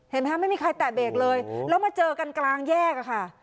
เห็นไหมคะไม่มีใครแตะเบรกเลยแล้วมาเจอกันกลางแยกอะค่ะ